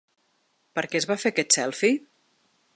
Per què es va fer aquest ‘selfie’?